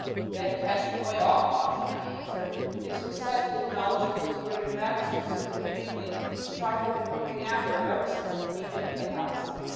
Then, casting away all caution, I answered: "It is precisely a knowledge of those greater matters concerning the family which I have been hungering after ever since I came into the house."